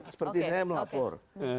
seperti saya melapor